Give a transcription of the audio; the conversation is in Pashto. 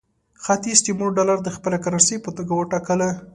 ختیځ تیمور ډالر د خپلې کرنسۍ په توګه وټاکلو.